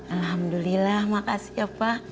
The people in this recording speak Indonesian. alhamdulillah makasih ya pak